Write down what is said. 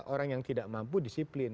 orang yang tidak mampu disiplin